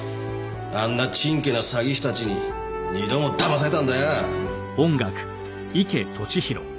あんなちんけな詐欺師たちに２度もだまされたんだよ！